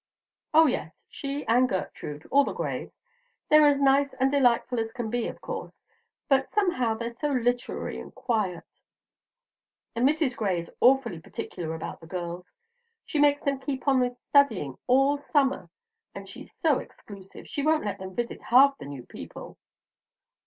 "Oh, yes, she and Gertrude, all the Grays. They're as nice and delightful as can be, of course, but somehow they're so literary and quiet, and Mrs. Gray is awfully particular about the girls. She makes them keep on with studying all summer, and she's so exclusive, she won't let them visit half the new people."